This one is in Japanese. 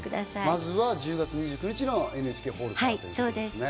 まずは１０月２９日のＮＨＫホールからですね。